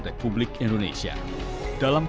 perang tu amat belilah perang